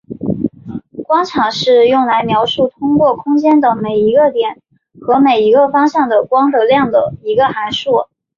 光场是用来描述通过空间中每一个点和每一个方向的光的量的一个函数。